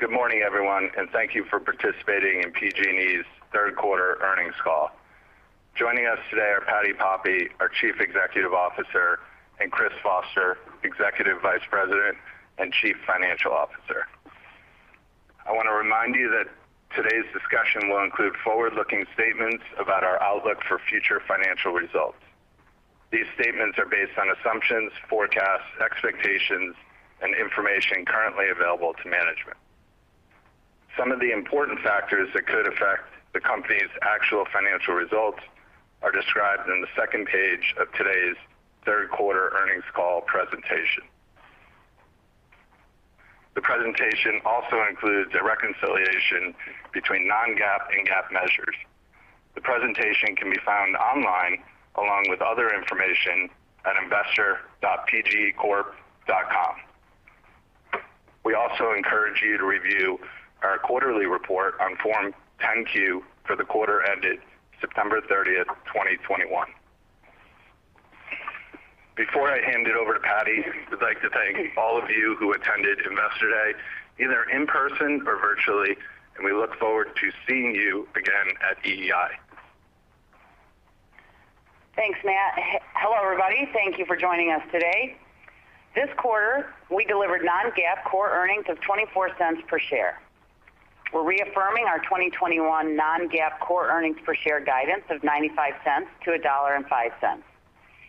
Good morning, everyone, and thank you for participating in PG&E's third quarter earnings call. Joining us today are Patti Poppe, our Chief Executive Officer, and Chris Foster, Executive Vice President and Chief Financial Officer. I wanna remind you that today's discussion will include forward-looking statements about our outlook for future financial results. These statements are based on assumptions, forecasts, expectations, and information currently available to management. Some of the important factors that could affect the company's actual financial results are described in the second page of today's third quarter earnings call presentation. The presentation also includes a reconciliation between non-GAAP and GAAP measures. The presentation can be found online along with other information at investor.pgecorp.com. We also encourage you to review our quarterly report on Form 10-Q for the quarter ended September 30, 2021. Before I hand it over to Patti, I'd like to thank all of you who attended Investor Day, either in person or virtually, and we look forward to seeing you again at EEI. Thanks, Matt. Hello, everybody. Thank you for joining us today. This quarter, we delivered non-GAAP core earnings of $0.24 per share. We're reaffirming our 2021 non-GAAP core earnings per share guidance of $0.95-$1.05,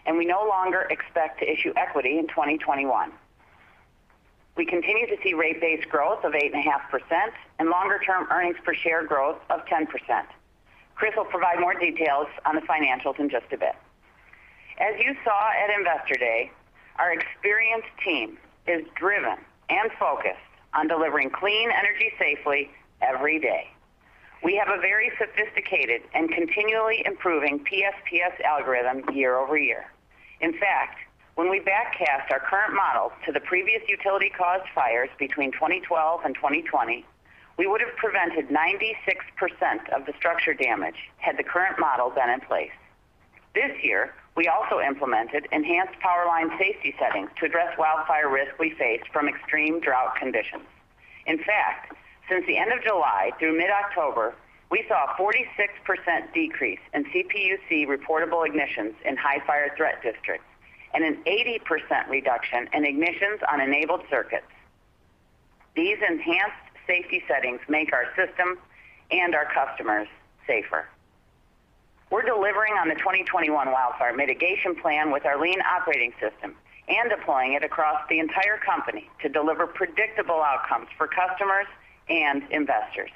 and we no longer expect to issue equity in 2021. We continue to see rate-based growth of 8.5% and longer-term earnings per share growth of 10%. Chris will provide more details on the financials in just a bit. As you saw at Investor Day, our experienced team is driven and focused on delivering clean energy safely every day. We have a very sophisticated and continually improving PSPS algorithm year-over-year. In fact, when we backcast our current models to the previous utility-caused fires between 2012 and 2020, we would have prevented 96% of the structure damage had the current model been in place. This year, we also implemented Enhanced Powerline Safety Settings to address wildfire risk we face from extreme drought conditions. In fact, since the end of July through mid-October, we saw a 46% decrease in CPUC reportable ignitions in High Fire-Threat Districts and an 80% reduction in ignitions on enabled circuits. These Enhanced Powerline Safety Settings make our system and our customers safer. We're delivering on the 2021 Wildfire Mitigation Plan with our Lean Operating System and deploying it across the entire company to deliver predictable outcomes for customers and investors.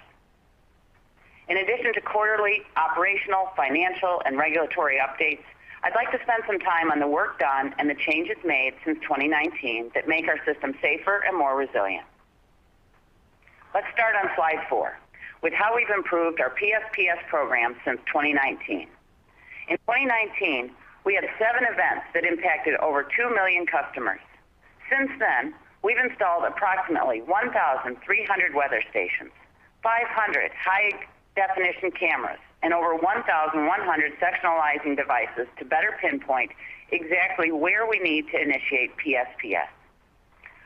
In addition to quarterly operational, financial, and regulatory updates, I'd like to spend some time on the work done and the changes made since 2019 that make our system safer and more resilient. Let's start on slide four with how we've improved our PSPS program since 2019. In 2019, we had seven events that impacted over 2 million customers. Since then, we've installed approximately 1,300 weather stations, 500 high definition cameras, and over 1,100 sectionalizing devices to better pinpoint exactly where we need to initiate PSPS.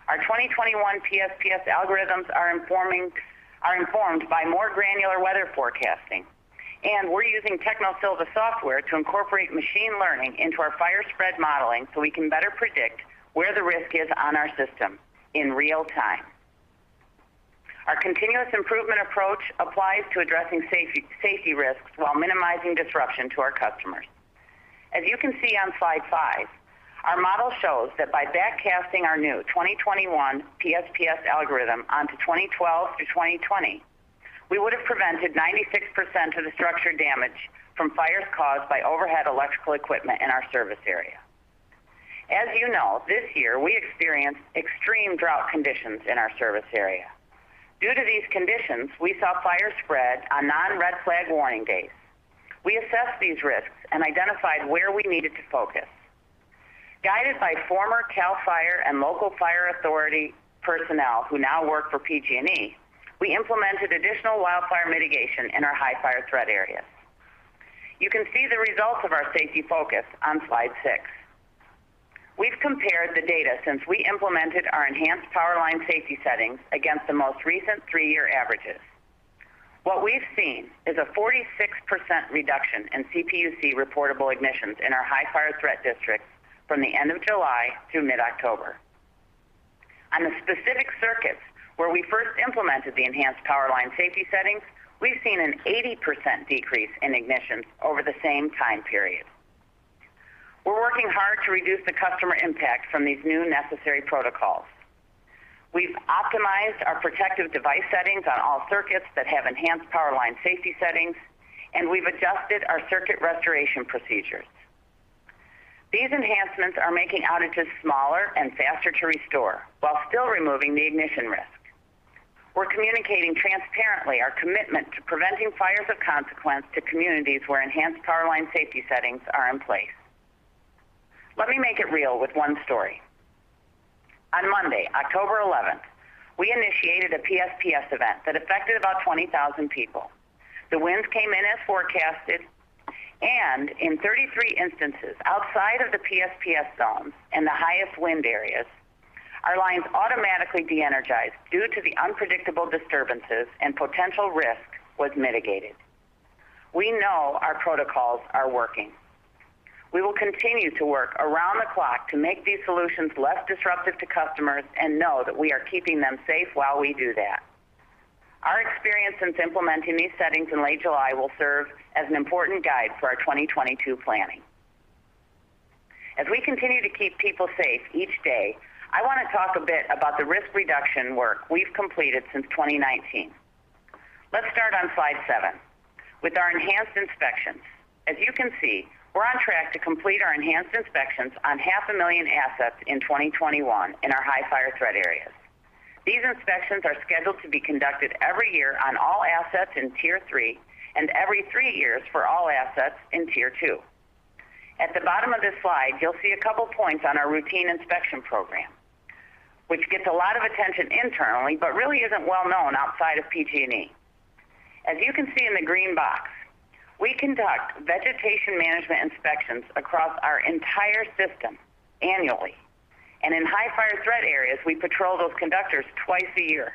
Our 2021 PSPS algorithms are informed by more granular weather forecasting, and we're using Technosylva software to incorporate machine learning into our fire spread modeling, so we can better predict where the risk is on our system in real time. Our continuous improvement approach applies to addressing safety risks while minimizing disruption to our customers. As you can see on slide five, our model shows that by backcasting our new 2021 PSPS algorithm onto 2012 through 2020, we would have prevented 96% of the structural damage from fires caused by overhead electrical equipment in our service area. As you know, this year, we experienced extreme drought conditions in our service area. Due to these conditions, we saw fire spread on non-Red Flag Warning days. We assessed these risks and identified where we needed to focus. Guided by former CAL FIRE and local fire authority personnel who now work for PG&E, we implemented additional wildfire mitigation in our high fire threat areas. You can see the results of our safety focus on slide six. We've compared the data since we implemented our Enhanced Powerline Safety Settings against the most recent three-year averages. What we've seen is a 46% reduction in CPUC reportable ignitions in our High Fire-Threat Districts from the end of July through mid-October. On the specific circuits where we first implemented the Enhanced Powerline Safety Settings, we've seen an 80% decrease in ignitions over the same time period. We're working hard to reduce the customer impact from these new necessary protocols. We've optimized our protective device settings on all circuits that have Enhanced Powerline Safety Settings, and we've adjusted our circuit restoration procedures. These enhancements are making outages smaller and faster to restore while still removing the ignition risk. We're communicating transparently our commitment to preventing fires of consequence to communities where Enhanced Powerline Safety Settings are in place. Let me make it real with one story. On Monday, October eleventh, we initiated a PSPS event that affected about 20,000 people. The winds came in as forecasted. In 33 instances outside of the PSPS zones and the highest wind areas, our lines automatically de-energized due to the unpredictable disturbances and potential risk was mitigated. We know our protocols are working. We will continue to work around the clock to make these solutions less disruptive to customers and know that we are keeping them safe while we do that. Our experience since implementing these settings in late July will serve as an important guide for our 2022 planning. As we continue to keep people safe each day, I wanna talk a bit about the risk reduction work we've completed since 2019. Let's start on slide seven with our enhanced inspections. As you can see, we're on track to complete our enhanced inspections on 500,000 assets in 2021 in our high fire threat areas. These inspections are scheduled to be conducted every year on all assets in Tier 3 and every three years for all assets in Tier 2. At the bottom of this slide, you'll see a couple points on our routine inspection program, which gets a lot of attention internally, but really isn't well-known outside of PG&E. As you can see in the green box, we conduct vegetation management inspections across our entire system annually, and in high fire threat areas, we patrol those conductors twice a year.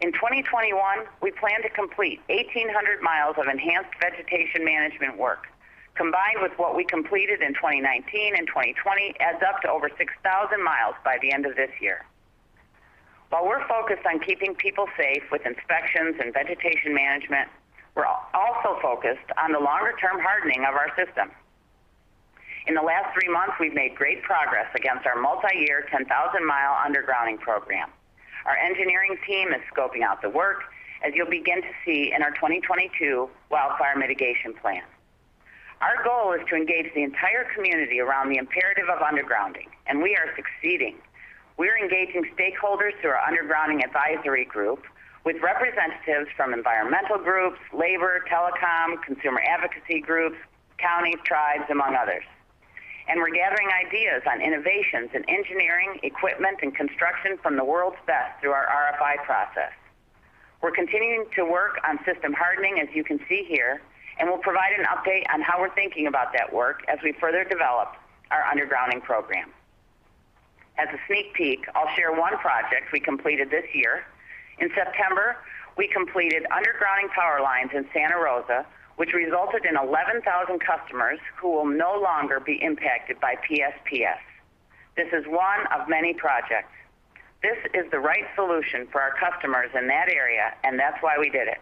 In 2021, we plan to complete 1,800 mi of enhanced vegetation management work. Combined with what we completed in 2019 and 2020 adds up to over 6,000 mi by the end of this year. While we're focused on keeping people safe with inspections and vegetation management, we're also focused on the longer-term hardening of our system. In the last 3 months, we've made great progress against our multi-year 10,000-mi undergrounding program. Our engineering team is scoping out the work as you'll begin to see in our 2022 Wildfire Mitigation Plan. Our goal is to engage the entire community around the imperative of undergrounding, and we are succeeding. We're engaging stakeholders through our undergrounding advisory group with representatives from environmental groups, labor, telecom, consumer advocacy groups, counties, tribes, among others. We're gathering ideas on innovations in engineering, equipment and construction from the world's best through our RFI process. We're continuing to work on system hardening, as you can see here, and we'll provide an update on how we're thinking about that work as we further develop our undergrounding program. As a sneak peek, I'll share one project we completed this year. In September, we completed undergrounding power lines in Santa Rosa, which resulted in 11,000 customers who will no longer be impacted by PSPS. This is one of many projects. This is the right solution for our customers in that area, and that's why we did it.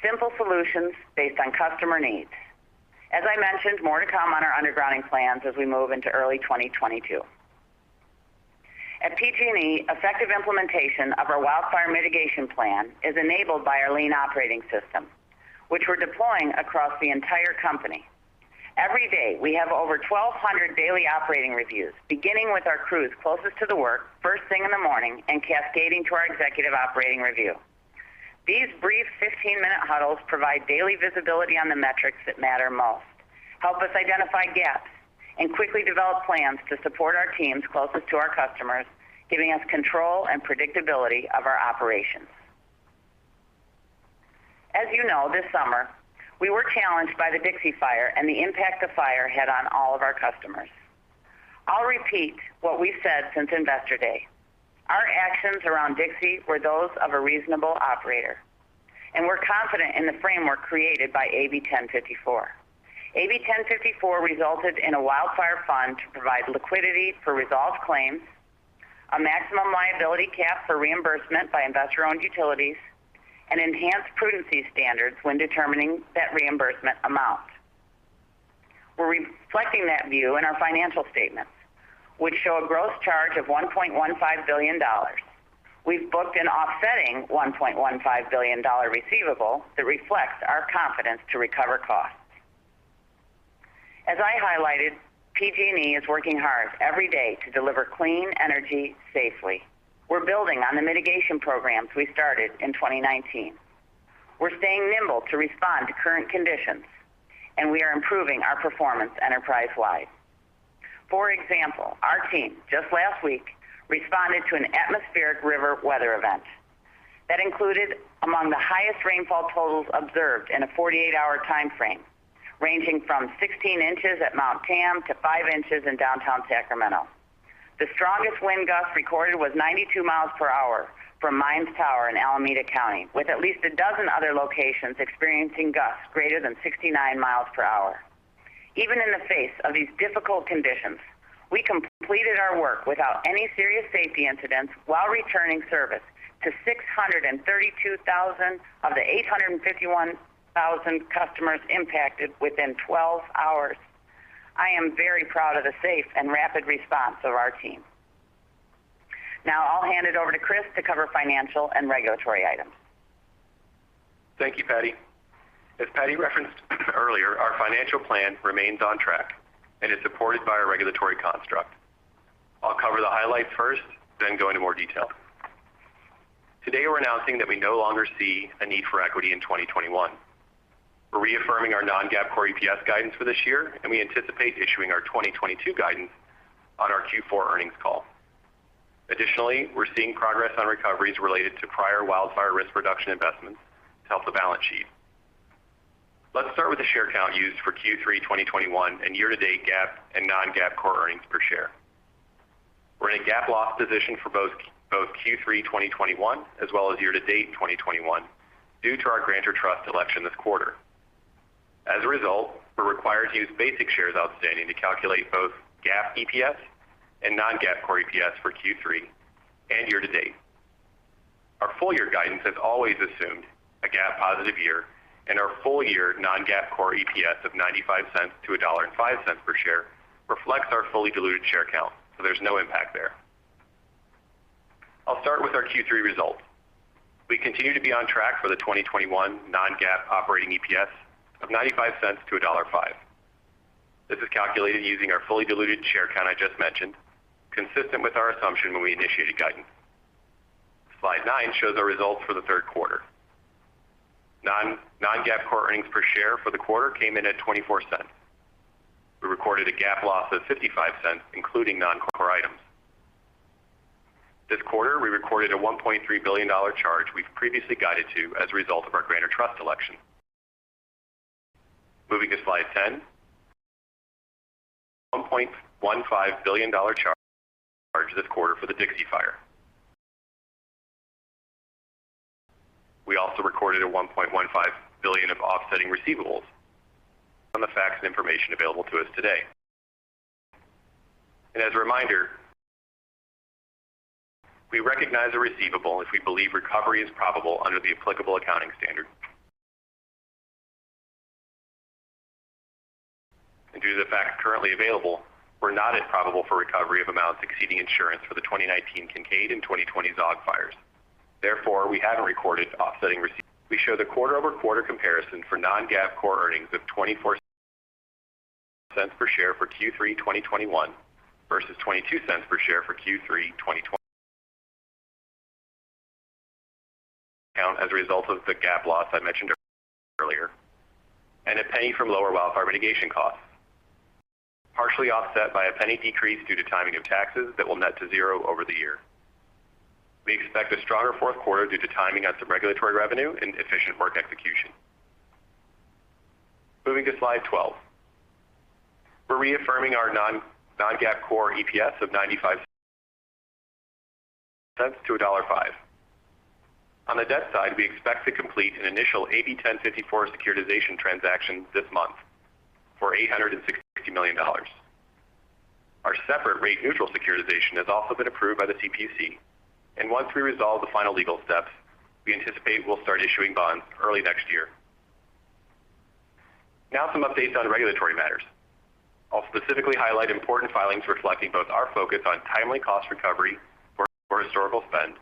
Simple solutions based on customer needs. As I mentioned, more to come on our undergrounding plans as we move into early 2022. At PG&E, effective implementation of our Wildfire Mitigation Plan is enabled by our Lean Operating System, which we're deploying across the entire company. Every day, we have over 1,200 daily operating reviews, beginning with our crews closest to the work first thing in the morning and cascading to our executive operating review. These brief 15-minute huddles provide daily visibility on the metrics that matter most, help us identify gaps, and quickly develop plans to support our teams closest to our customers, giving us control and predictability of our operations. As you know, this summer, we were challenged by the Dixie Fire and the impact the fire had on all of our customers. I'll repeat what we've said since Investor Day. Our actions around Dixie were those of a reasonable operator, and we're confident in the framework created by AB 1054. AB 1054 resulted in a wildfire fund to provide liquidity for resolved claims, a maximum liability cap for reimbursement by investor-owned utilities, and enhanced prudency standards when determining that reimbursement amount. We're reflecting that view in our financial statements, which show a gross charge of $1.15 billion. We've booked an offsetting $1.15 billion receivable that reflects our confidence to recover costs. As I highlighted, PG&E is working hard every day to deliver clean energy safely. We're building on the mitigation programs we started in 2019. We're staying nimble to respond to current conditions, and we are improving our performance enterprise-wide. For example, our team just last week responded to an atmospheric river weather event that included among the highest rainfall totals observed in a 48-hour time frame, ranging from 16 inches at Mount Tam to 5 inches in downtown Sacramento. The strongest wind gust recorded was 92 mph from Mines Tower in Alameda County, with at least a dozen other locations experiencing gusts greater than 69 mph. Even in the face of these difficult conditions, we completed our work without any serious safety incidents while returning service to 632,000 of the 851,000 customers impacted within 12 hours. I am very proud of the safe and rapid response of our team. Now I'll hand it over to Chris to cover financial and regulatory items. Thank you, Patti. As Patti referenced earlier, our financial plan remains on track and is supported by our regulatory construct. I'll cover the highlights first, then go into more detail. Today, we're announcing that we no longer see a need for equity in 2021. We're reaffirming our non-GAAP core EPS guidance for this year, and we anticipate issuing our 2022 guidance on our Q4 earnings call. Additionally, we're seeing progress on recoveries related to prior wildfire risk reduction investments to help the balance sheet. Let's start with the share count used for Q3 2021 and year-to-date GAAP and non-GAAP core earnings per share. We're in a GAAP loss position for both Q3 2021 as well as year-to-date 2021 due to our grantor trust election this quarter. As a result, we're required to use basic shares outstanding to calculate both GAAP EPS and non-GAAP core EPS for Q3 and year-to-date. Our full year guidance has always assumed a GAAP positive year and our full year non-GAAP core EPS of $0.95-$1.05 per share reflects our fully diluted share count, so there's no impact there. I'll start with our Q3 results. We continue to be on track for the 2021 non-GAAP operating EPS of $0.95-$1.05. This is calculated using our fully diluted share count I just mentioned, consistent with our assumption when we initiated guidance. Slide nine shows our results for the third quarter. Non-GAAP core earnings per share for the quarter came in at $0.24. We recorded a GAAP loss of $0.55, including non-core items. This quarter, we recorded a $1.3 billion charge we've previously guided to as a result of our grantor trust election. Moving to slide 10. $1.15 billion charge this quarter for the Dixie Fire. We also recorded a $1.15 billion of offsetting receivables on the facts and information available to us today. As a reminder, we recognize a receivable if we believe recovery is probable under the applicable accounting standard. Due to the facts currently available, recovery is not probable for amounts exceeding insurance for the 2019 Kincade and 2020 Zogg fires. Therefore, we haven't recorded offsetting receivables. We show the quarter-over-quarter comparison for non-GAAP core earnings of $0.24 per share for Q3 2021 versus $0.22 per share for Q3 2020. Account as a result of the GAAP loss I mentioned earlier, and $0.01 from lower wildfire mitigation costs, partially offset by a $0.01 decrease due to timing of taxes that will net to zero over the year. We expect a stronger fourth quarter due to timing on some regulatory revenue and efficient work execution. Moving to slide 12. We're reaffirming our non-GAAP core EPS of $0.95-$1.05. On the debt side, we expect to complete an initial AB 1054 securitization transaction this month for $860 million. Our separate rate neutral securitization has also been approved by the CPUC, and once we resolve the final legal steps, we anticipate we'll start issuing bonds early next year. Now some updates on regulatory matters. I'll specifically highlight important filings reflecting both our focus on timely cost recovery for historical spend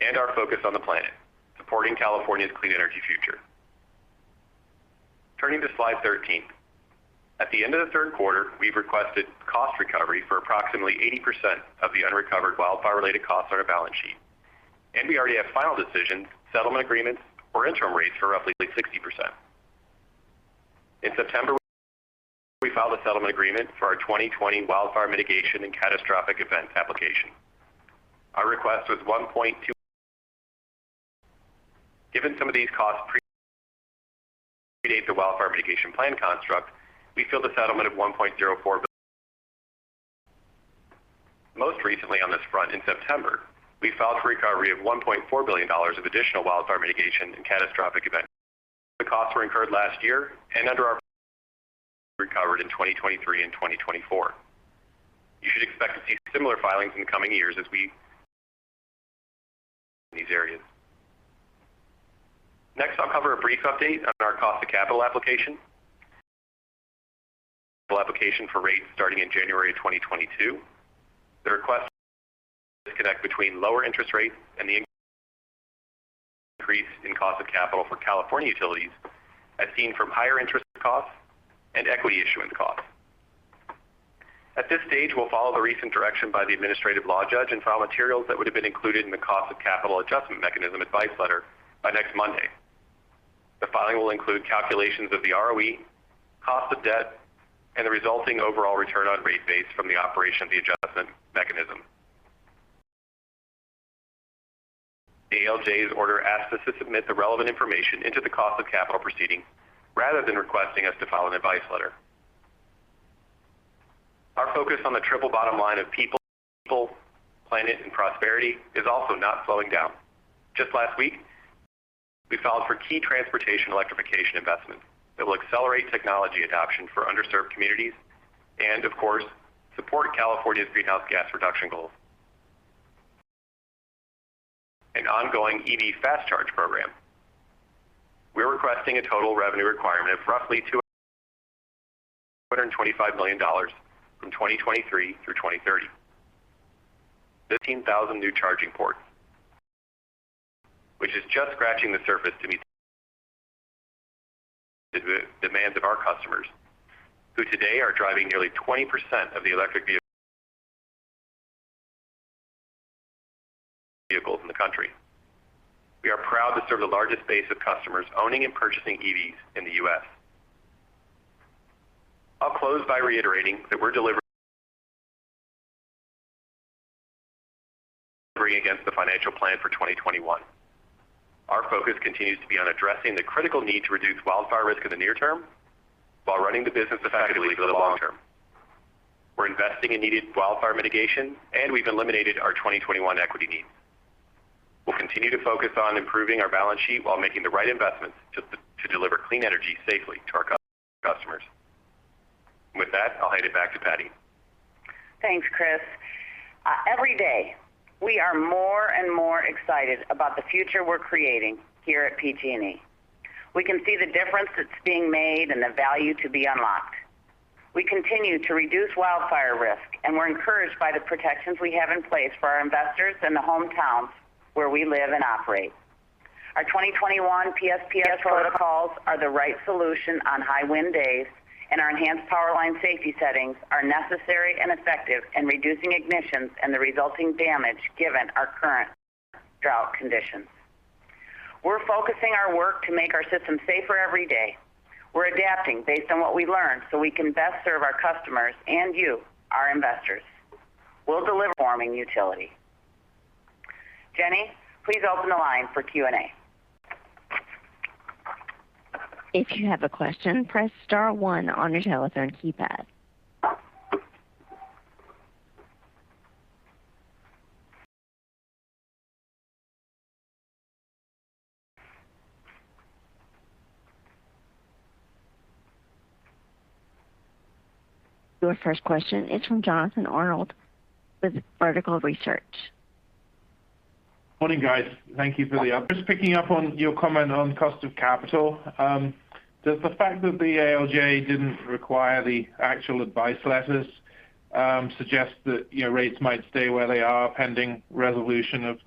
and our focus on the planet, supporting California's clean energy future. Turning to slide 13. At the end of the third quarter, we've requested cost recovery for approximately 80% of the unrecovered wildfire-related costs on our balance sheet, and we already have final decisions, settlement agreements, or interim rates for roughly 60%. In September, we filed a settlement agreement for our 2020 wildfire mitigation and catastrophic event application. Our request was $1.2 billion. Given some of these costs predate the wildfire mitigation plan construct, we feel the settlement of $1.04 billion. Most recently on this front in September, we filed for recovery of $1.4 billion of additional wildfire mitigation and catastrophic events. The costs were incurred last year and will be recovered in 2023 and 2024. You should expect to see similar filings in the coming years as we invest in these areas. Next, I'll cover a brief update on our cost of capital application for rates starting in January 2022. The request is between lower interest rates and the increase in cost of capital for California utilities, as seen from higher interest costs and equity issuance costs. At this stage, we'll follow the recent direction by the Administrative Law Judge and file materials that would have been included in the Cost of Capital Adjustment Mechanism advice letter by next Monday. The filing will include calculations of the ROE, cost of debt, and the resulting overall return on rate base from the operation of the adjustment mechanism. ALJ's order asks us to submit the relevant information into the cost of capital proceeding rather than requesting us to file an advice letter. Our focus on the triple bottom line of people, planet, and prosperity is also not slowing down. Just last week, we filed for key transportation electrification investments that will accelerate technology adoption for underserved communities and of course, support California's greenhouse gas reduction goals. An ongoing EV fast charge program we're requesting a total revenue requirement of roughly $225 million from 2023 through 2030, 15,000 new charging ports, which is just scratching the surface to meet the demands of our customers, who today are driving nearly 20% of the electric vehicles in the country. We are proud to serve the largest base of customers owning and purchasing EVs in the U.S. I'll close by reiterating that we're delivering against the financial plan for 2021. Our focus continues to be on addressing the critical need to reduce wildfire risk in the near term while running the business effectively for the long term. We're investing in needed wildfire mitigation, and we've eliminated our 2021 equity need. We'll continue to focus on improving our balance sheet while making the right investments to deliver clean energy safely to our customers. With that, I'll hand it back to Patti. Thanks, Chris. Every day we are more and more excited about the future we're creating here at PG&E. We can see the difference that's being made and the value to be unlocked. We continue to reduce wildfire risk, and we're encouraged by the protections we have in place for our investors and the hometowns where we live and operate. Our 2021 PSPS protocols are the right solution on high wind days, and our Enhanced Powerline Safety Settings are necessary and effective in reducing ignitions and the resulting damage given our current drought conditions. We're focusing our work to make our system safer every day. We're adapting based on what we learn so we can best serve our customers and you, our investors. We'll deliver world-class utility. Jenny, please open the line for Q&A. Your first question is from Jonathan Arnold with Vertical Research. Morning, guys. Thank you for the op. Just picking up on your comment on cost of capital, does the fact that the ALJ didn't require the actual advice letters suggest that, you know, rates might stay where they are pending resolution of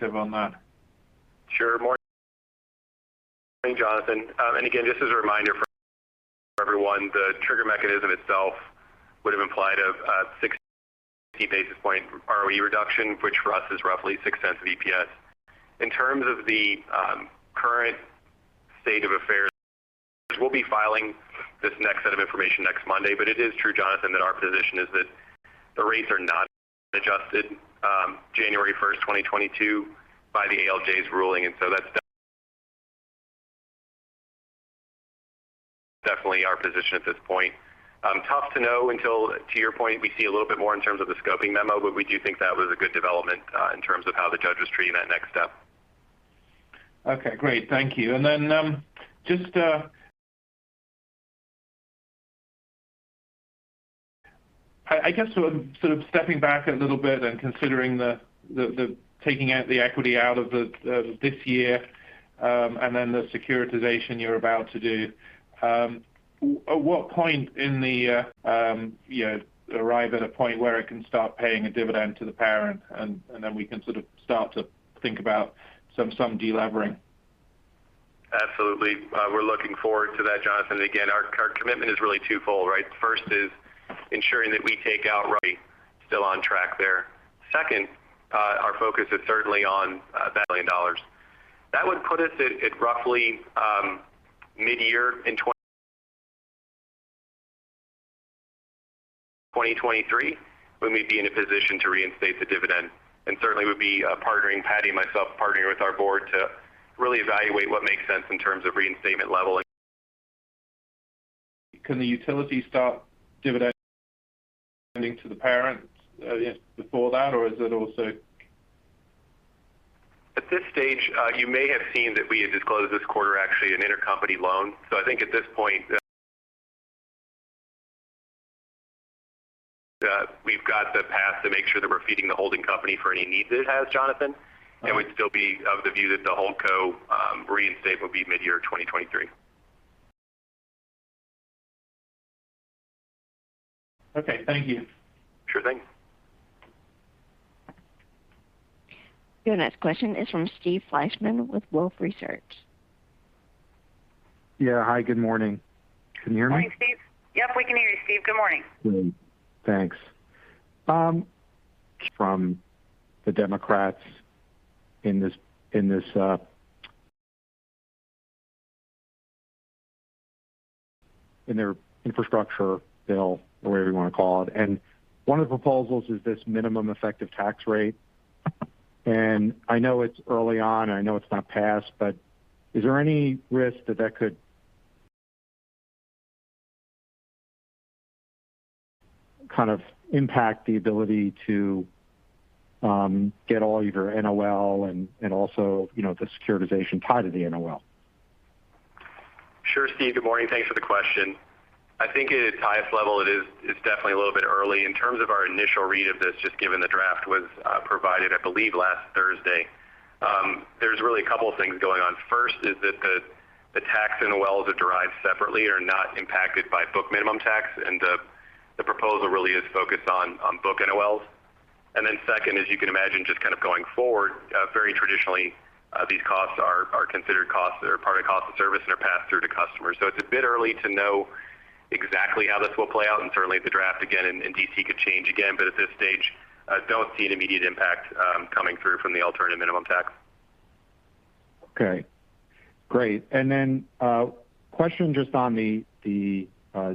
the on that? Sure. Morning, Jonathan. And again, just as a reminder for everyone, the trigger mechanism itself would have implied a 60 basis point ROE reduction, which for us is roughly six cents of EPS. In terms of the current state of affairs, we'll be filing this next set of information next Monday. It is true, Jonathan, that our position is that the rates are not adjusted January 1st, 2022 by the ALJ's ruling. That's definitely our position at this point. Tough to know until, to your point, we see a little bit more in terms of the scoping memo, but we do think that was a good development in terms of how the judge was treating that next step. Okay, great. Thank you. Just, I guess sort of stepping back a little bit and considering taking the equity out of this year, and then the securitization you're about to do. At what point in time will you arrive at a point where it can start paying a dividend to the parent, and then we can sort of start to think about some delevering? Absolutely. We're looking forward to that, Jonathan. Again, our commitment is really twofold, right? First is ensuring that our takeout is still on track there. Second, our focus is certainly on $1 million. That would put us at roughly mid-year in 2023, when we'd be in a position to reinstate the dividend. Certainly would be partnering Patti, myself, partnering with our board to really evaluate what makes sense in terms of reinstatement level. Can the utility start dividend to the parent, you know, before that? Or is it also... At this stage, you may have seen that we had disclosed this quarter actually an intercompany loan. I think at this point, we've got the path to make sure that we're feeding the holding company for any needs it has, Jonathan, and would still be of the view that the HoldCo reinstate would be mid-year 2023. Okay, thank you. Sure thing. Your next question is from Steve Fleishman with Wolfe Research. Yeah. Hi, good morning. Can you hear me? Morning, Steve. Yep, we can hear you, Steve. Good morning. Great. Thanks. From the Democrats in their infrastructure bill or whatever you want to call it. One of the proposals is this minimum effective tax rate. I know it's early on. I know it's not passed, but is there any risk that that could kind of impact the ability to get all your NOL and also, you know, the securitization tied to the NOL? Sure. Steve, good morning. Thanks for the question. I think at its highest level, it's definitely a little bit early. In terms of our initial read of this, just given the draft was provided, I believe, last Thursday, there's really a couple of things going on. First is that the tax NOLs are derived separately, are not impacted by book minimum tax, and the proposal really is focused on book NOLs. Second, as you can imagine, just kind of going forward, very traditionally, these costs are considered costs that are part of cost of service and are passed through to customers. It's a bit early to know exactly how this will play out. Certainly the draft, again, in D.C. could change again, but at this stage, I don't see an immediate impact coming through from the alternative minimum tax. Okay, great. Question just on the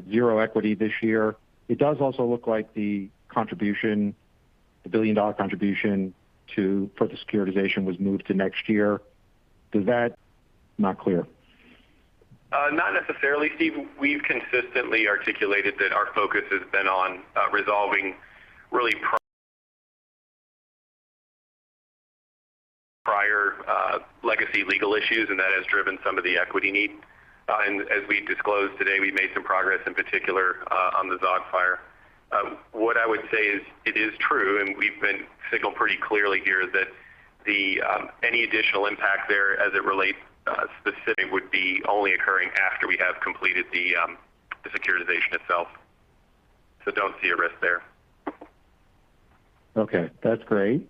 zero equity this year. It does also look like the billion-dollar contribution for the securitization was moved to next year. Is that not clear? Not necessarily, Steve. We've consistently articulated that our focus has been on resolving really prior legacy legal issues, and that has driven some of the equity needs. As we disclosed today, we made some progress, in particular, on the Zogg Fire. What I would say is, it is true, and we've been signaled pretty clearly here that any additional impact there as it relates specific would be only occurring after we have completed the securitization itself. Don't see a risk there. Okay, that's great.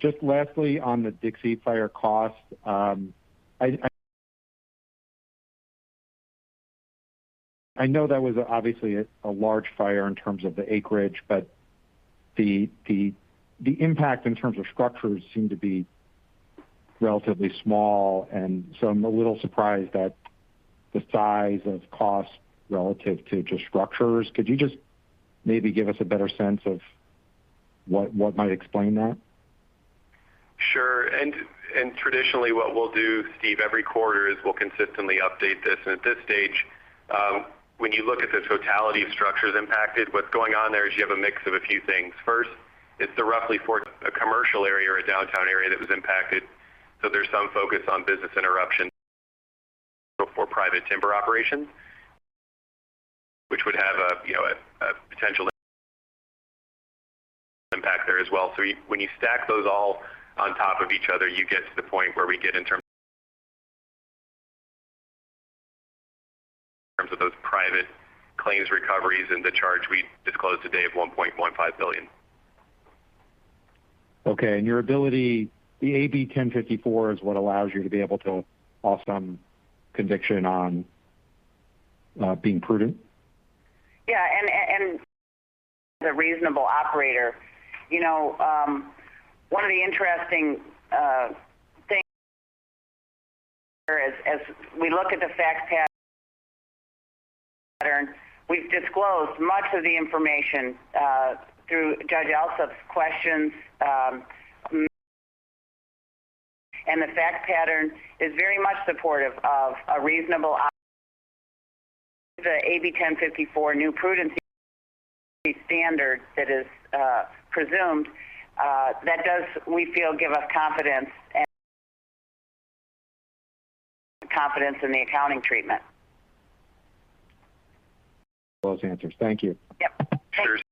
Just lastly on the Dixie Fire cost, I know that was obviously a large fire in terms of the acreage, but the impact in terms of structures seem to be relatively small. I'm a little surprised at the size of cost relative to just structures. Could you just maybe give us a better sense of what might explain that? Sure. Traditionally what we'll do, Steve, every quarter is we'll consistently update this. At this stage, when you look at the totality of structures impacted, what's going on there is you have a mix of a few things. First, it's the roughly four a commercial area or a downtown area that was impacted. There's some focus on business interruption for private timber operations, which would have a, you know, a potential impact there as well. When you stack those all on top of each other, you get to the point where we get in terms of those private claims recoveries and the charge we disclosed today of $1.15 billion. Okay. Your ability, the AB 1054 is what allows you to be able to offer some conviction on being prudent. The reasonable operator. You know, one of the interesting things as we look at the fact pattern, we've disclosed much of the information through Judge Alsup's questions. The fact pattern is very much supportive of the AB 1054 new prudency standard that is presumed, that does, we feel, give us confidence in the accounting treatment. Those answers. Thank you. Yep. Thanks.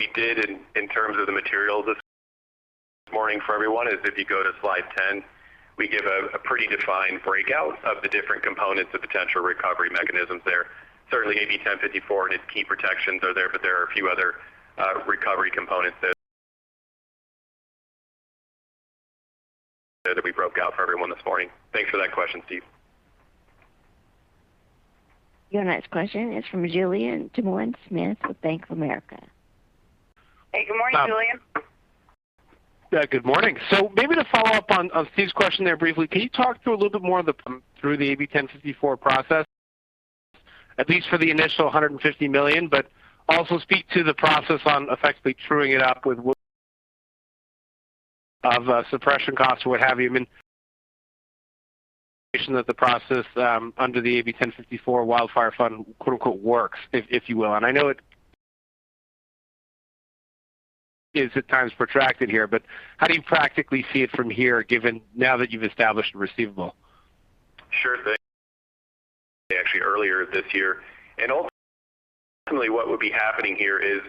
We did in terms of the materials this morning for everyone is if you go to slide 10, we give a pretty defined breakout of the different components of potential recovery mechanisms there. Certainly AB 1054 and its key protections are there, but there are a few other recovery components there that we broke out for everyone this morning. Thanks for that question, Steve. Your next question is from Julien Dumoulin-Smith with Bank of America. Hey, good morning, Julien. Yeah, good morning. So maybe to follow up on Steve's question there briefly, can you talk through a little bit more of the AB 1054 process, at least for the initial $150 million, but also speak to the process on effectively truing it up with the suppression costs or what have you but that the process under the AB 1054 Wildfire Fund, quote-unquote, works, if you will. I know it is at times protracted here, but how do you practically see it from here, given now that you've established a receivable? Sure. Actually earlier this year. Ultimately what would be happening here is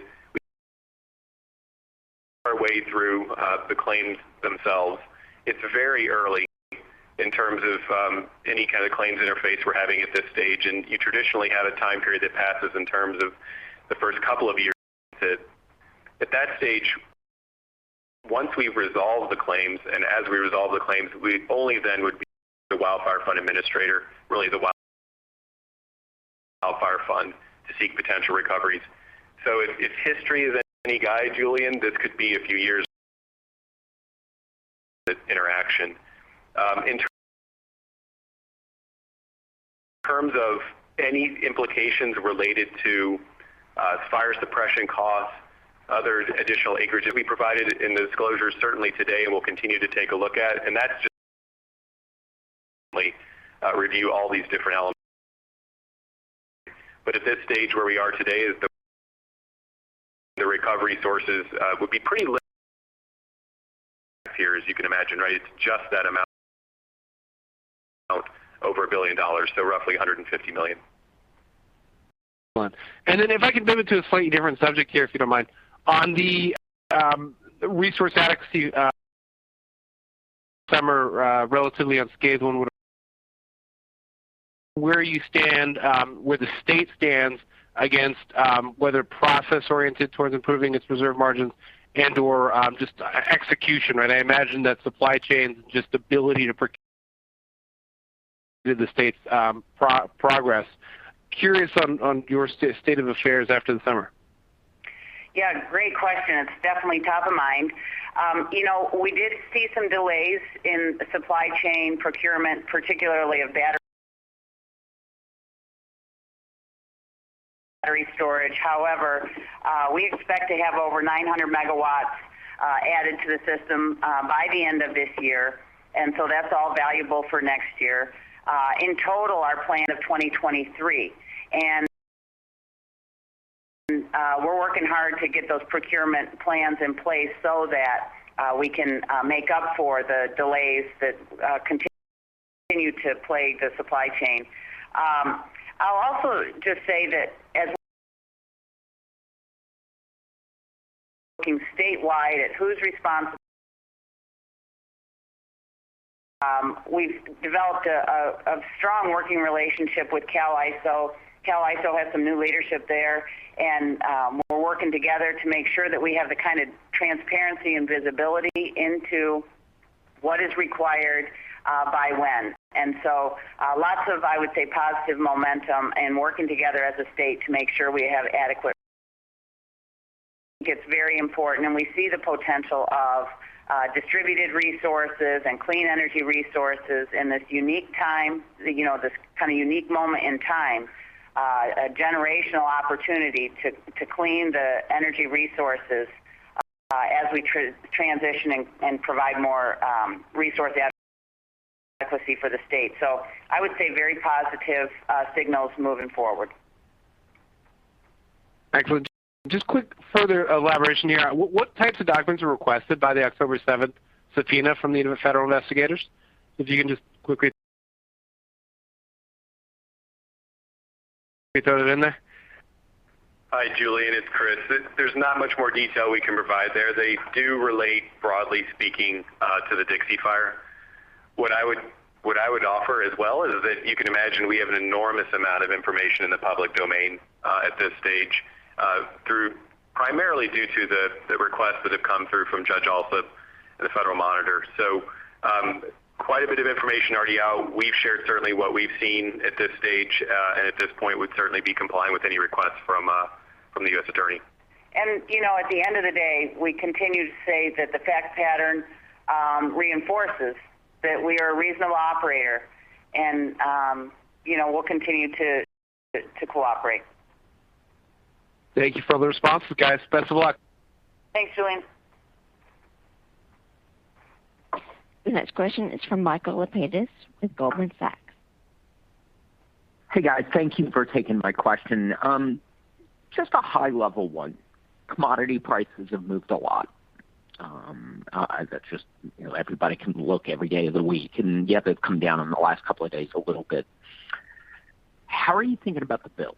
work our way through the claims themselves. It's very early in terms of any kind of claims process we're having at this stage. You traditionally have a time period that passes in terms of the first couple of years. At that stage, once we resolve the claims, the Wildfire Fund administrator would only then really seek potential recoveries. If history is any guide, Julien, this could be a few years of interaction. In terms of any implications related to fire suppression costs, other additional acreage that we provided in the disclosure certainly today and we'll continue to take a look at. That's just to review all these different elements. At this stage where we are today, the recovery sources would be pretty limited here, as you can imagine. Right. It's just that amount over $1 billion. Roughly $150 million. If I can move it to a slightly different subject here, if you don't mind. On the Resource Adequacy. Summer relatively unscathed. I wonder where you stand, where the state stands on whether process oriented towards improving its reserve margins and or just execution. Right. I imagine that supply chains and just ability to project to the state's progress. Curious on your state of affairs after the summer. Yeah, great question. It's definitely top of mind. You know, we did see some delays in supply chain procurement, particularly of battery storage. However, we expect to have over 900 MW added to the system by the end of this year, and so that's all valuable for next year. In total, our plan of 2023. We're working hard to get those procurement plans in place so that we can make up for the delays that continue to plague the supply chain. I'll also just say that, looking statewide at who's responsible, we've developed a strong working relationship with California ISO. California ISO has some new leadership there, and we're working together to make sure that we have the kind of transparency and visibility into what is required by when. Lots of, I would say, positive momentum and working together as a state to make sure we have adequate. It's very important, and we see the potential of distributed resources and clean energy resources in this unique time, you know, this kind of unique moment in time, a generational opportunity to clean the energy resources, as we transition and provide more Resource Adequacy for the state. I would say very positive signals moving forward. Excellent. Just quick further elaboration here. What types of documents are requested by the October seventh subpoena from the federal investigators? If you can just quickly throw that in there. Hi, Julien, it's Chris. There's not much more detail we can provide there. They do relate, broadly speaking, to the Dixie Fire. What I would offer as well is that you can imagine we have an enormous amount of information in the public domain at this stage through primarily due to the requests that have come through from Judge Alsup and the federal monitor. Quite a bit of information already out. We've shared certainly what we've seen at this stage, and at this point would certainly be complying with any requests from the U.S. Attorney. You know, at the end of the day, we continue to say that the fact pattern reinforces that we are a reasonable operator and, you know, we'll continue to cooperate. Thank you for the responses, guys. Best of luck. Thanks, Julien. The next question is from Michael Lapides with Goldman Sachs. Hey, guys. Thank you for taking my question. Just a high-level one. Commodity prices have moved a lot. That's just, you know, everybody can look every day of the week, and yet they've come down in the last couple of days a little bit. How are you thinking about the bill?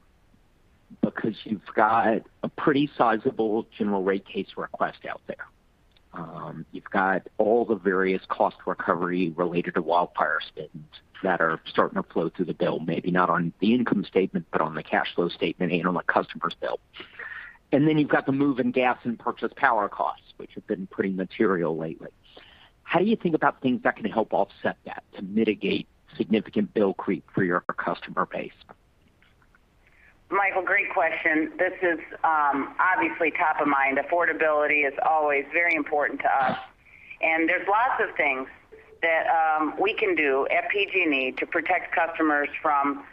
Because you've got a pretty sizable general rate case request out there. You've got all the various cost recovery related to wildfire spend that are starting to flow through the bill, maybe not on the income statement, but on the cash flow statement and on the customer's bill. Then you've got the move in gas and purchase power costs, which have been pretty material lately. How do you think about things that can help offset that to mitigate significant bill creep for your customer base? Michael, great question. This is obviously top of mind. Affordability is always very important to us, and there's lots of things that we can do at PG&E to protect customers from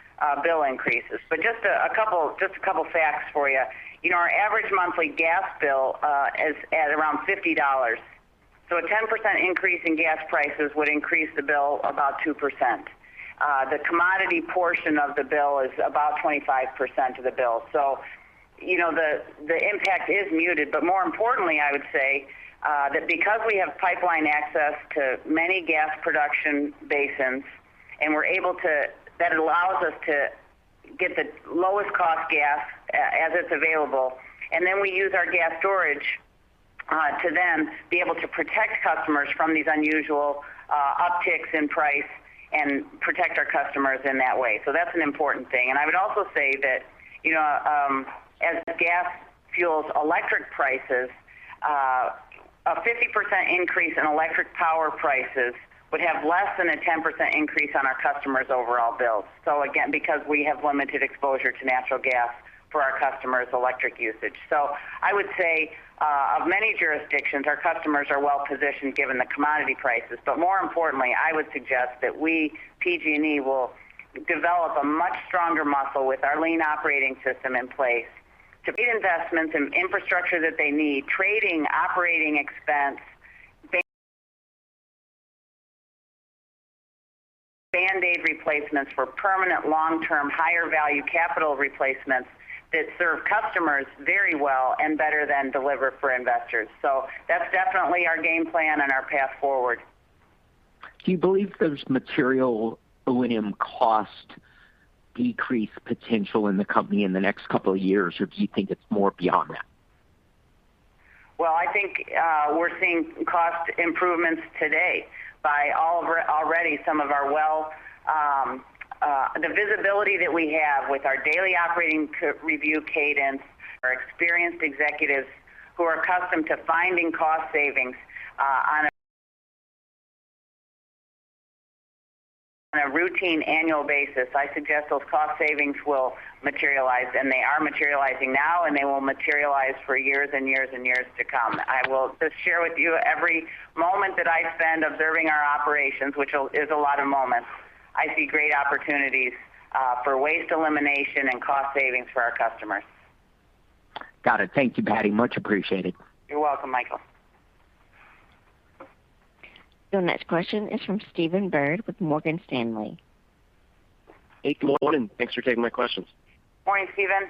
bill increases. But just a couple facts for you. You know, our average monthly gas bill is at around $50. So a 10% increase in gas prices would increase the bill about 2%. The commodity portion of the bill is about 25% of the bill. So, you know, the impact is muted. But more importantly, I would say that because we have pipeline access to many gas production basins, and we're able to... That allows us to get the lowest cost gas as it's available, and then we use our gas storage to then be able to protect customers from these unusual upticks in price and protect our customers in that way. That's an important thing. I would also say that, you know, as gas fuels electric prices, a 50% increase in electric power prices would have less than a 10% increase on our customers' overall bills. Again, because we have limited exposure to natural gas for our customers' electric usage. I would say of many jurisdictions, our customers are well positioned given the commodity prices. More importantly, I would suggest that we, PG&E, will develop a much stronger muscle with our Lean Operating System in place to make investments in infrastructure that they need, trading operating expense band-aid replacements for permanent long-term, higher value capital replacements that serve customers very well and better than deliver for investors. That's definitely our game plan and our path forward. Do you believe there's material mitigation cost decrease potential in the company in the next couple of years, or do you think it's more beyond that? Well, I think, we're seeing cost improvements today by already. The visibility that we have with our daily operating review cadence, our experienced executives who are accustomed to finding cost savings, on a routine annual basis, I suggest those cost savings will materialize, and they are materializing now, and they will materialize for years and years and years to come. I will just share with you every moment that I spend observing our operations, which is a lot of moments. I see great opportunities for waste elimination and cost savings for our customers. Got it. Thank you, Patti. Much appreciated. You're welcome, Michael. Your next question is from Stephen Byrd with Morgan Stanley. Hey, good morning. Thanks for taking my questions. Morning, Stephen.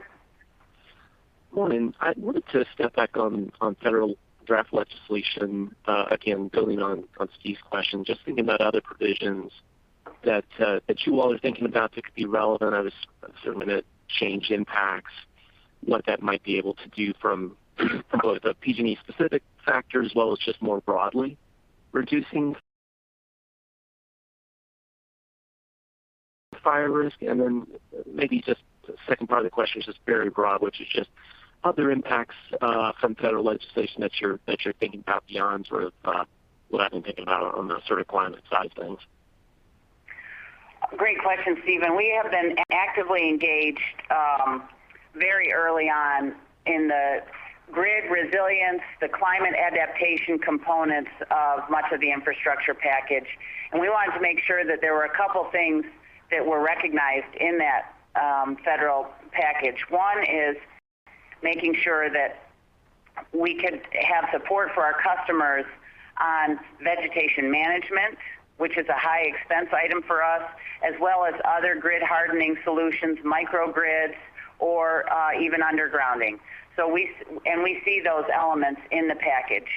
Morning. I wanted to step back on federal draft legislation, again, building on Steve's question, just thinking about other provisions that you all are thinking about that could be relevant. I was assuming that change impacts what that might be able to do from both a PG&E specific factor as well as just more broadly reducing fire risk. Then maybe just the second part of the question is just very broad, which is just other impacts from federal legislation that you're thinking about beyond sort of what I've been thinking about on the sort of climate side of things. Great question, Stephen. We have been actively engaged very early on in the grid resilience, the climate adaptation components of much of the infrastructure package. We wanted to make sure that there were a couple things that were recognized in that federal package. One is making sure that we could have support for our customers on vegetation management, which is a high expense item for us, as well as other grid hardening solutions, microgrids, or even undergrounding. We see those elements in the package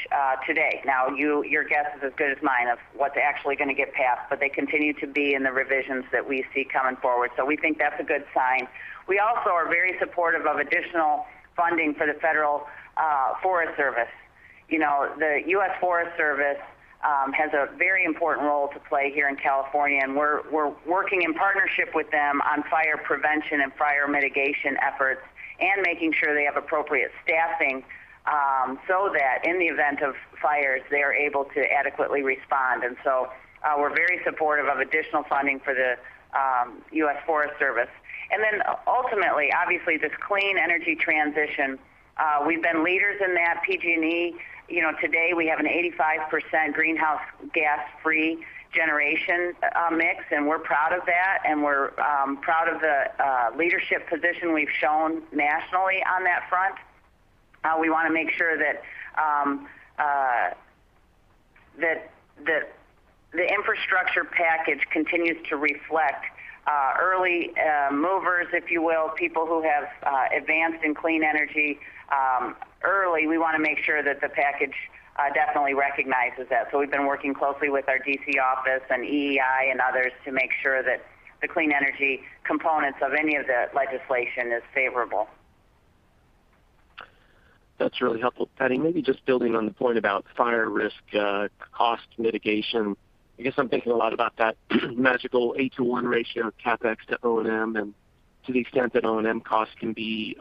today. Now, your guess is as good as mine of what's actually gonna get passed, but they continue to be in the revisions that we see coming forward. We think that's a good sign. We also are very supportive of additional funding for the federal Forest Service. You know, the U.S. Forest Service has a very important role to play here in California, and we're working in partnership with them on fire prevention and fire mitigation efforts and making sure they have appropriate staffing so that in the event of fires, they are able to adequately respond. We're very supportive of additional funding for the U.S. Forest Service. Ultimately, obviously, this clean energy transition, we've been leaders in that. PG&E, you know, today we have an 85% greenhouse gas-free generation mix, and we're proud of that, and we're proud of the leadership position we've shown nationally on that front. We wanna make sure that the infrastructure package continues to reflect early movers, if you will, people who have advanced in clean energy. We wanna make sure that the package definitely recognizes that. We've been working closely with our D.C. office and EEI and others to make sure that the clean energy components of any of the legislation is favorable. That's really helpful. Patti, maybe just building on the point about fire risk, cost mitigation. I guess I'm thinking a lot about that magical 8-to-1 ratio of CapEx to O&M, and to the extent that O&M costs can be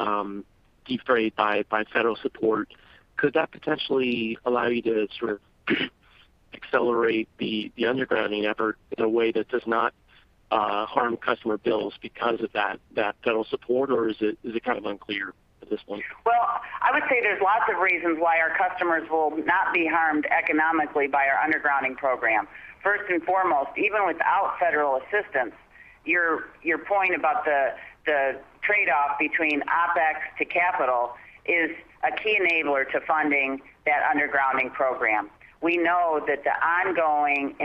defrayed by federal support. Could that potentially allow you to sort of accelerate the undergrounding effort in a way that does not harm customer bills because of that federal support, or is it kind of unclear at this point? Well, I would say there's lots of reasons why our customers will not be harmed economically by our undergrounding program. First and foremost, even without federal assistance, your point about the trade-off between OpEx to CapEx is a key enabler to funding that undergrounding program. We know that the ongoing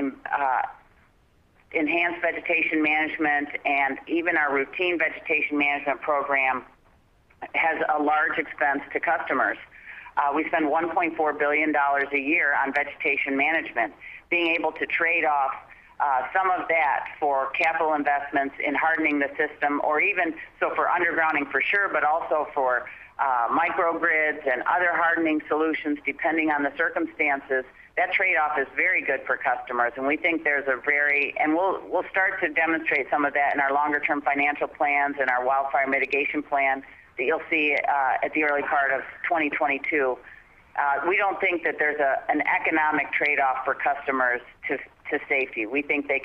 enhanced vegetation management and even our routine vegetation management program has a large expense to customers. We spend $1.4 billion a year on vegetation management. Being able to trade off some of that for capital investments in hardening the system or even so for undergrounding for sure, but also for microgrids and other hardening solutions, depending on the circumstances, that trade-off is very good for customers. We think there's a very. We'll start to demonstrate some of that in our longer term financial plans and our Wildfire Mitigation Plan that you'll see at the early part of 2022. We don't think that there's an economic trade-off for customers to safety. We think we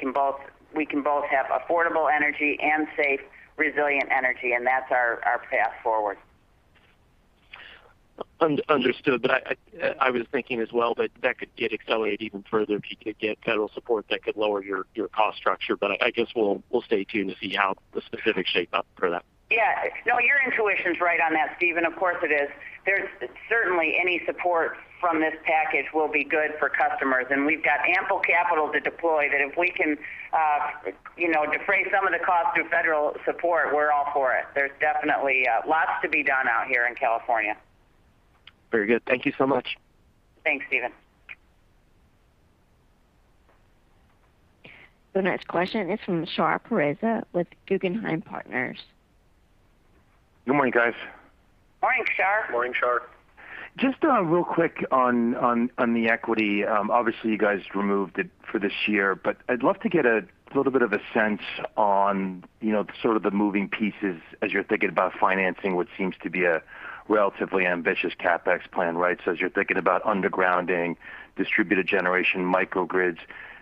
can both have affordable energy and safe, resilient energy, and that's our path forward. Understood. I was thinking as well that that could get accelerated even further if you could get federal support that could lower your cost structure. I guess we'll stay tuned to see how the specifics shape up for that. Yeah. No, your intuition's right on that, Stephen. Of course it is. There's certainly any support from this package will be good for customers. We've got ample capital to deploy that if we can, you know, defray some of the costs through federal support. We're all for it. There's definitely lots to be done out here in California. Very good. Thank you so much. Thanks, Stephen. The next question is from Shar Pourreza with Guggenheim Partners. Good morning, guys. Morning, Shar. Morning, Shar. Just real quick on the equity. Obviously, you guys removed it for this year, but I'd love to get a little bit of a sense on, you know, sort of the moving pieces as you're thinking about financing what seems to be a relatively ambitious CapEx plan, right? As you're thinking about undergrounding distributed generation microgrids,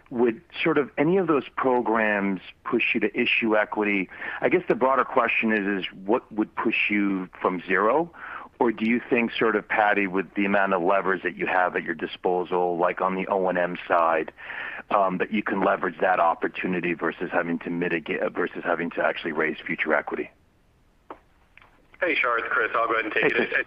would sort of any of those programs push you to issue equity? I guess the broader question is what would push you from zero? Or do you think sort of, Patti, with the amount of levers that you have at your disposal, like on the O&M side, that you can leverage that opportunity versus having to actually raise future equity? Hey, Shar, it's Chris. I'll go ahead and take this. I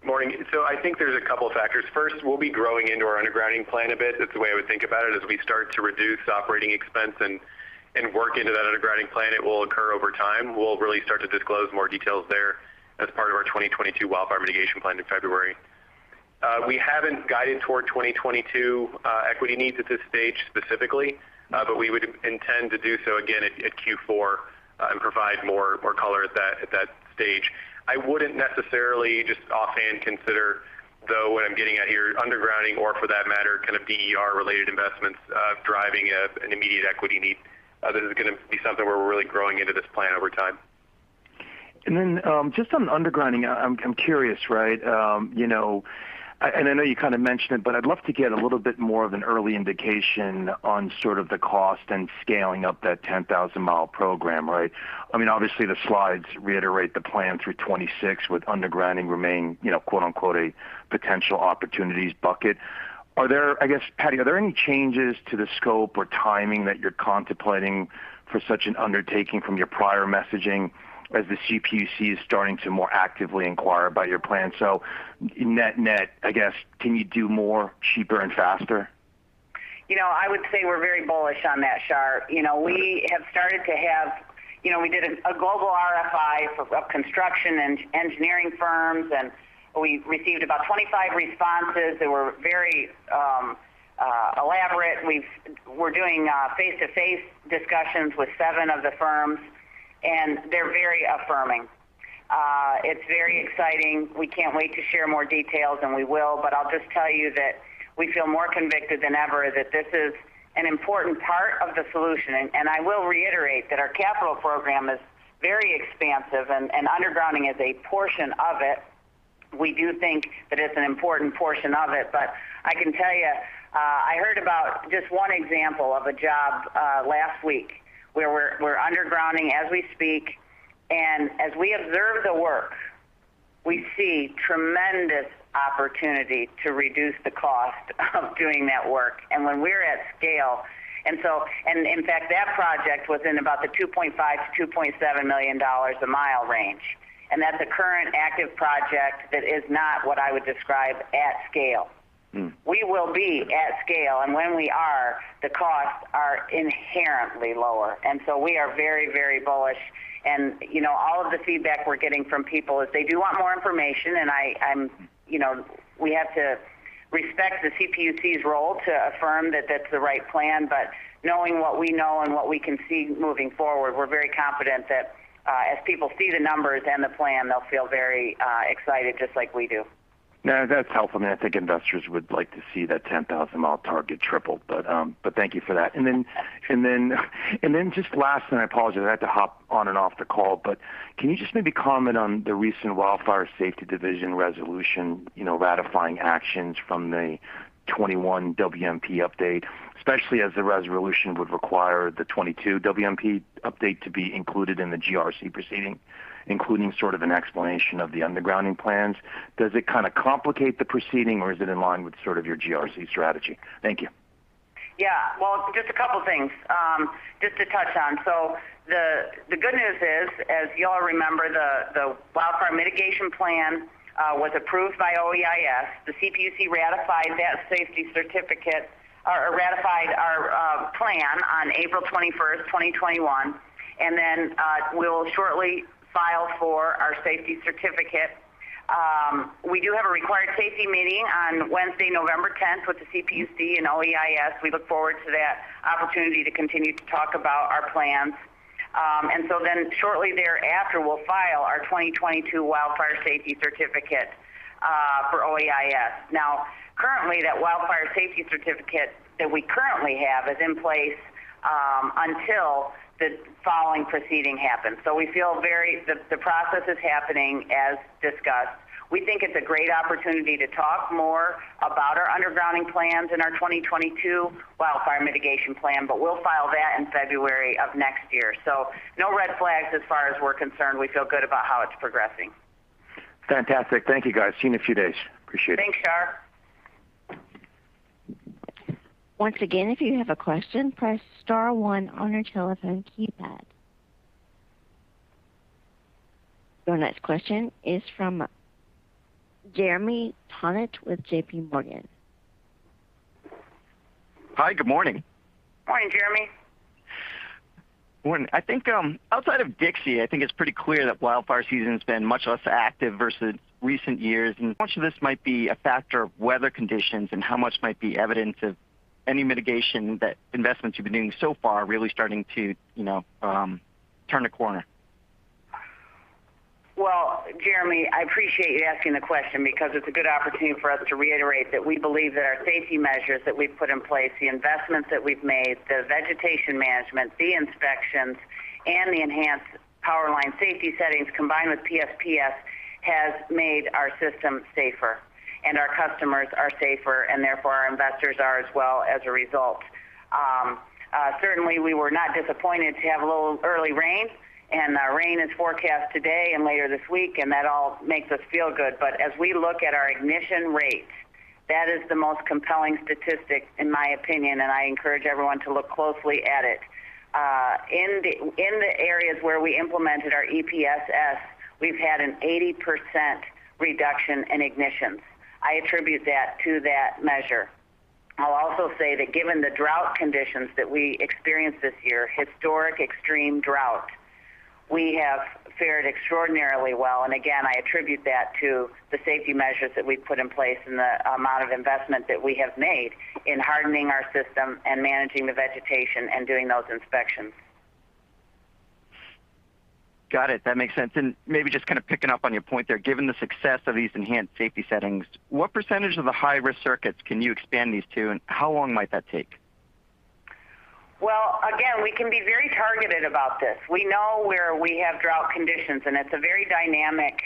think. Morning. I think there's a couple factors. First, we'll be growing into our undergrounding plan a bit. That's the way I would think about it. As we start to reduce operating expense and work into that undergrounding plan, it will occur over time. We'll really start to disclose more details there as part of our 2022 Wildfire Mitigation Plan in February. We haven't guided toward 2022 equity needs at this stage specifically, but we would intend to do so again at Q4 and provide more color at that stage. I wouldn't necessarily just offhand consider, though, what I'm getting at here, undergrounding or for that matter, kind of DER-related investments driving an immediate equity need. This is gonna be something where we're really growing into this plan over time. Then, just on undergrounding, I'm curious, right, you know, and I know you kind of mentioned it, but I'd love to get a little bit more of an early indication on sort of the cost and scaling up that 10,000-mi program, right? I mean, obviously the slides reiterate the plan through 2026, with undergrounding remaining, you know, quote-unquote, a potential opportunities bucket. Are there? I guess, Patti, are there any changes to the scope or timing that you're contemplating for such an undertaking from your prior messaging as the CPUC is starting to more actively inquire about your plan? Net-net, I guess, can you do more cheaper and faster? You know, I would say we're very bullish on that, Shar. You know, we did a global RFI for construction and engineering firms, and we received about 25 responses. They were very elaborate. We're doing face-to-face discussions with seven of the firms, and they're very affirming. It's very exciting. We can't wait to share more details, and we will. I'll just tell you that we feel more convicted than ever that this is an important part of the solution. I will reiterate that our capital program is very expansive and undergrounding is a portion of it. We do think that it's an important portion of it. I can tell you, I heard about just one example of a job last week where we're undergrounding as we speak, and as we observe the work, we see tremendous opportunity to reduce the cost of doing that work and when we're at scale. In fact, that project was in about the $2.5-$2.7 million a mile range. That's a current active project that is not what I would describe at scale. Mm. We will be at scale, and when we are, the costs are inherently lower. We are very, very bullish. You know, all of the feedback we're getting from people is they do want more information. You know, we have to respect the CPUC's role to affirm that that's the right plan. Knowing what we know and what we can see moving forward, we're very confident that as people see the numbers and the plan, they'll feel very excited just like we do. No, that's helpful. I think investors would like to see that 10,000-mi target tripled. Thank you for that. Just last thing, I apologize. I have to hop on and off the call. Can you just maybe comment on the recent Wildfire Safety Division resolution, you know, ratifying actions from the 2021 WMP update, especially as the resolution would require the 2022 WMP update to be included in the GRC proceeding, including sort of an explanation of the undergrounding plans. Does it kind of complicate the proceeding, or is it in line with sort of your GRC strategy? Thank you. Well, just a couple things, just to touch on. The good news is, as you all remember, the Wildfire Mitigation Plan was approved by OEIS. The CPUC ratified that safety certificate or ratified our plan on April 21st, 2021, and then we'll shortly file for our safety certificate. We do have a required safety meeting on Wednesday, November 10th, with the CPUC and OEIS. We look forward to that opportunity to continue to talk about our plans. Shortly thereafter, we'll file our 2022 wildfire safety certificate for OEIS. Now, currently, that wildfire safety certificate that we currently have is in place until the following proceeding happens. The process is happening as discussed. We think it's a great opportunity to talk more about our undergrounding plans in our 2022 Wildfire Mitigation Plan, but we'll file that in February of next year. No red flags as far as we're concerned. We feel good about how it's progressing. Fantastic. Thank you, guys. See you in a few days. Appreciate it. Thanks, Shar. Once again, if you have a question, press star one on your telephone keypad. Your next question is from Jeremy Tonet with JPMorgan. Hi. Good morning. Morning, Jeremy. I think, outside of Dixie, I think it's pretty clear that wildfire season's been much less active versus recent years. Much of this might be a factor of weather conditions and how much might be evidence of Any mitigation and investments you've been doing so far are really starting to, you know, turn the corner. Well, Jeremy, I appreciate you asking the question because it's a good opportunity for us to reiterate that we believe that our safety measures that we've put in place, the investments that we've made, the vegetation management, the inspections, and the Enhanced Powerline Safety Settings combined with PSPS has made our system safer and our customers are safer and therefore our investors are as well as a result. Certainly, we were not disappointed to have a little early rain, and rain is forecast today and later this week, and that all makes us feel good. As we look at our ignition rates, that is the most compelling statistic in my opinion, and I encourage everyone to look closely at it. In the areas where we implemented our EPSS, we've had an 80% reduction in ignitions. I attribute that to that measure. I'll also say that given the drought conditions that we experienced this year, historic extreme drought, we have fared extraordinarily well. Again, I attribute that to the safety measures that we've put in place and the amount of investment that we have made in hardening our system and managing the vegetation and doing those inspections. Got it. That makes sense. Maybe just kind of picking up on your point there, given the success of these enhanced safety settings, what percentage of the high-risk circuits can you expand these to, and how long might that take? Well, again, we can be very targeted about this. We know where we have drought conditions, and it's a very dynamic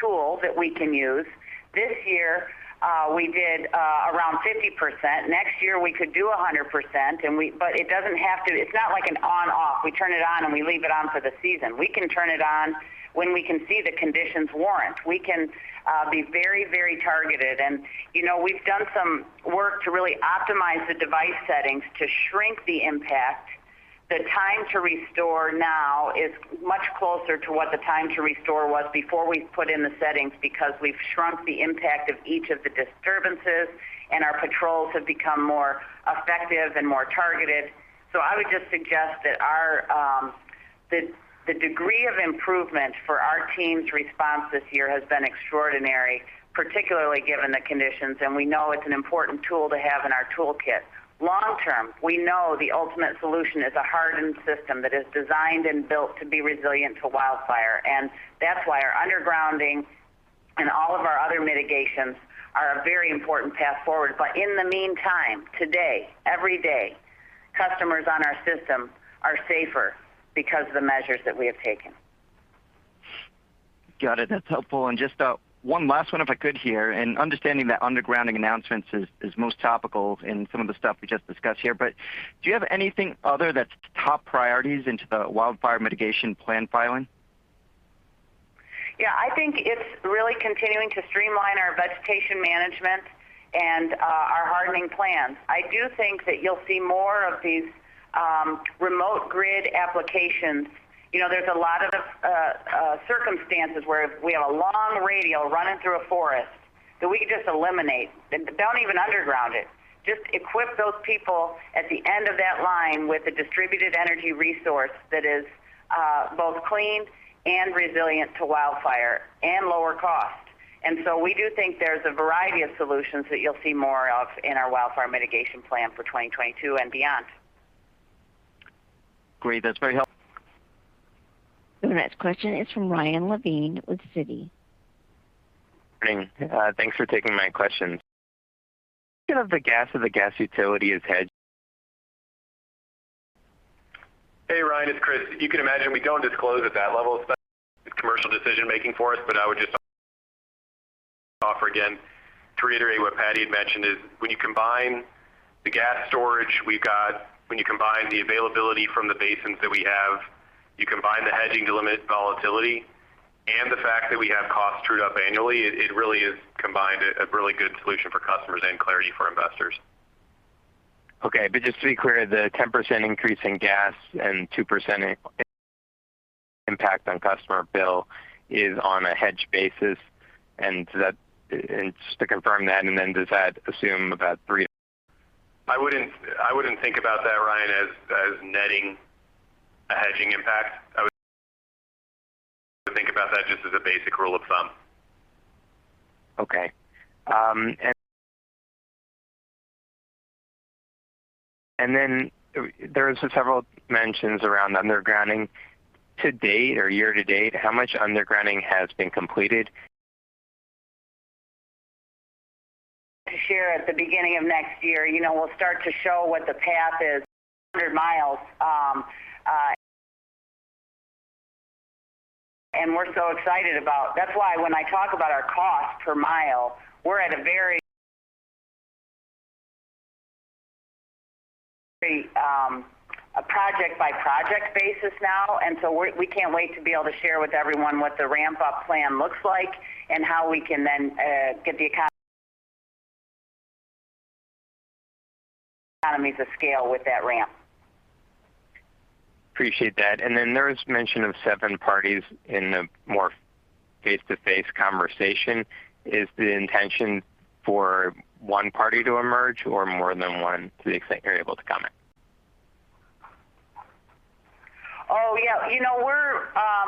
tool that we can use. This year, we did around 50%. Next year, we could do 100% but it doesn't have to be like an on/off. We turn it on, and we leave it on for the season. We can turn it on when we can see the conditions warrant. We can be very, very targeted. You know, we've done some work to really optimize the device settings to shrink the impact. The time to restore now is much closer to what the time to restore was before we put in the settings because we've shrunk the impact of each of the disturbances, and our patrols have become more effective and more targeted. I would just suggest that the degree of improvement for our team's response this year has been extraordinary, particularly given the conditions, and we know it's an important tool to have in our toolkit. Long term, we know the ultimate solution is a hardened system that is designed and built to be resilient to wildfire, and that's why our undergrounding and all of our other mitigations are a very important path forward. In the meantime, today, every day, customers on our system are safer because of the measures that we have taken. Got it. That's helpful. Just one last one if I could here. Understanding that undergrounding announcements is most topical in some of the stuff we just discussed here. Do you have anything other that's top priorities into the Wildfire Mitigation Plan filing? Yeah. I think it's really continuing to streamline our vegetation management and our hardening plans. I do think that you'll see more of these remote grid applications. You know, there's a lot of circumstances where we have a long radial running through a forest that we could just eliminate. Don't even underground it. Just equip those people at the end of that line with a distributed energy resource that is both clean and resilient to wildfire and lower cost. We do think there's a variety of solutions that you'll see more of in our Wildfire Mitigation Plan for 2022 and beyond. Great. That's very helpful. The next question is from Ryan Levine with Citi. Good morning. Thanks for taking my questions. Do you have the gas ops of the gas utility as a hedge? Hey, Ryan. It's Chris. You can imagine we don't disclose at that level, especially commercial decision-making for us, but I would just offer again to reiterate what Patti had mentioned is when you combine the gas storage we've got, when you combine the availability from the basins that we have, you combine the hedging to limit volatility and the fact that we have costs trued up annually, it really is combined a really good solution for customers and clarity for investors. Okay. Just to be clear, the 10% increase in gas and 2% impact on customer bill is on a hedge basis. Just to confirm that, and then does that assume about three- I wouldn't think about that, Ryan, as netting a hedging impact. I would think about that just as a basic rule of thumb. Okay. There are several mentions around undergrounding. To date or year to date, how much undergrounding has been completed? To share at the beginning of next year, you know, we'll start to show what the path is 100 mi, and we're so excited about. That's why when I talk about our cost per mile, we're at a very project-by-project basis now, and so we can't wait to be able to share with everyone what the ramp-up plan looks like and how we can then get the economies of scale with that ramp. Appreciate that. There's mention of seven parties in the more face-to-face conversation. Is the intention for one party to emerge or more than one to the extent you're able to comment? Oh, yeah. You know, we're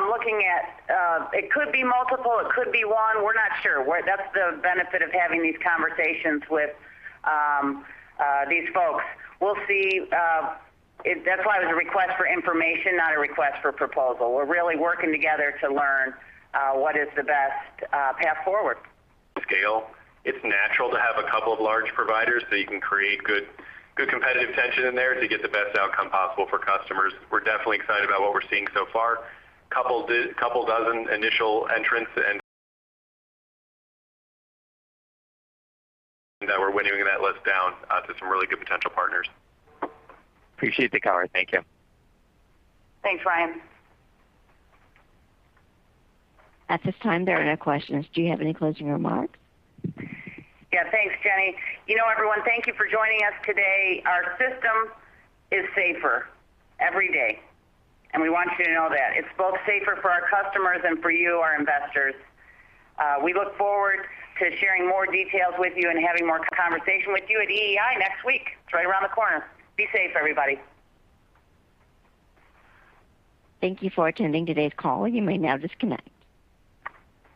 looking at it could be multiple, it could be one. We're not sure. That's the benefit of having these conversations with these folks. We'll see if that's why it was a request for information, not a request for proposal. We're really working together to learn what is the best path forward. Scale. It's natural to have a couple of large providers, so you can create good competitive tension in there to get the best outcome possible for customers. We're definitely excited about what we're seeing so far. Couple dozen initial entrants, and now we're winnowing that list down to some really good potential partners. Appreciate the color. Thank you. Thanks, Ryan. At this time, there are no questions. Do you have any closing remarks? Yeah. Thanks, Jenny. You know everyone, thank you for joining us today. Our system is safer every day, and we want you to know that. It's both safer for our customers and for you, our investors. We look forward to sharing more details with you and having more conversation with you at EEI next week. It's right around the corner. Be safe, everybody. Thank you for attending today's call. You may now disconnect.